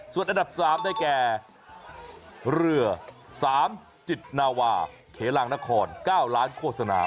ส่วนอันดับ๓ได้แก่เรือ๓จิตนาวาเขลางนคร๙ล้านโฆษณา